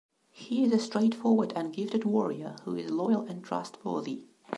He is a straightforward and gifted warrior who is loyal and trustworthy.